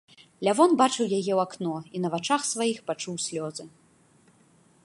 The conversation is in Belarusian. Лявон бачыў яе ў акно і на вачах сваіх пачуў слёзы.